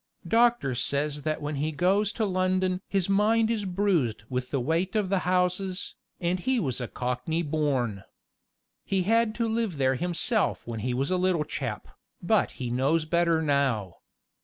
Doctor says that when he goes to London his mind is bruised with the weight of the houses, and he was a cockney born. He had to live there himself when he was a little chap, but he knows better now.